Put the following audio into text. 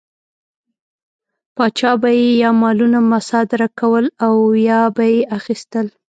پاچا به یې یا مالونه مصادره کول او یا به یې اخیستل.